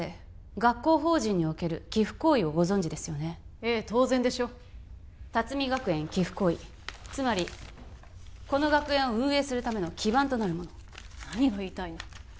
学校法人における寄附行為をご存じですよねええ当然でしょ龍海学園寄附行為つまりこの学園を運営するための基盤となるもの何が言いたいの？